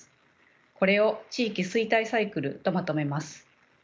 これを「地域衰退サイクル」とまとめます。